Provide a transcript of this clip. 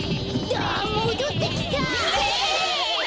だあもどってきた！